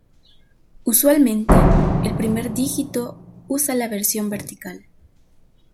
Usualmente el primer dígito usa la versión vertical.